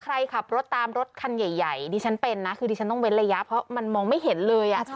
ใครขับรถตามรถคันใหญ่ดิฉันเป็นนะคือดิฉันต้องเว้นระยะเพราะมันมองไม่เห็นเลย